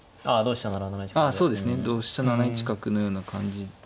同飛車７一角のような感じ。